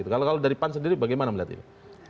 kalau dari pan sendiri bagaimana melihat itu